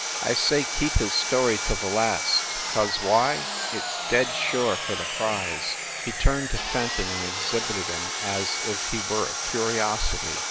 I say keep his story till the last; cause why, it s dead sure for the prize." He turned to Fenton and exhibited him as if he were a curiosity.